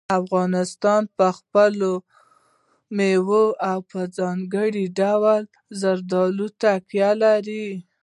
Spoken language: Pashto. افغانستان په خپلو مېوو او په ځانګړي ډول زردالو تکیه لري.